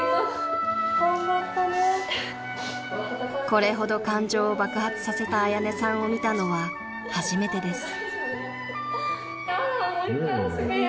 ［これほど感情を爆発させた彩音さんを見たのは初めてです］